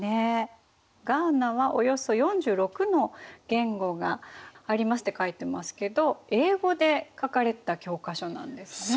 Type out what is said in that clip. ガーナはおよそ４６の言語がありますって書いてますけど英語で書かれた教科書なんですね。